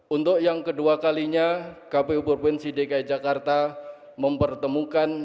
untuk yang kedua kalinya kpu provinsi dki jakarta mempertemukan